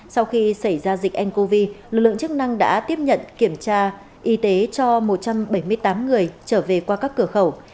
sau khi xảy ra dịch ncov lực lượng chức năng đã tiếp nhận kiểm tra y tế cho một trăm bảy mươi tám người trở về qua các cửa khẩu